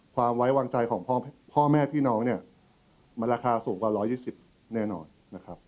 ความไว้วางใจของพ่อแม่พี่น้องเนี่ยมันราคาสูงกว่า๑๒๐แน่นอนนะครับ